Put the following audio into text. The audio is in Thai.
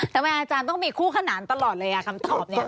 ทำไมอาจารย์ต้องมีคู่ขนานตลอดเลยอ่ะคำตอบนี้